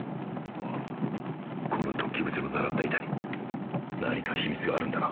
この突起物の並んだ板に何か秘密があるんだな